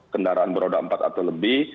kendaraan beroda empat atau lebih